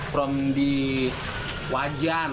from di wajan